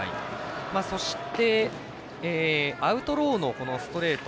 そしてアウトローのストレート